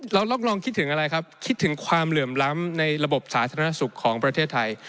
เรารับรองคิดถึงอะไรครับคิดถึงความเหลื่อมล้ำในระบบสาธารณสุขของประเทศไทย